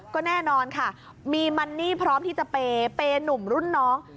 ก็แน่นอนค่ะมีมันนี่พร้อมที่จะเปย์หนุ่มรุ่นน้อง